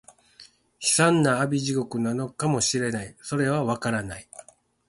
凄惨な阿鼻地獄なのかも知れない、それは、わからない